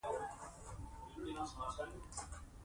هغوی د سکو لوبه کوله.